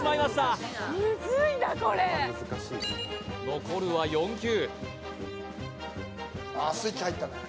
残るは４球。